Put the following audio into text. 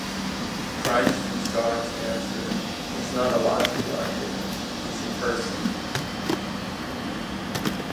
Christ is God’s answer. He’s not a logical argument, he’s a person.